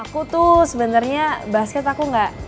aku tuh sebenernya basket aku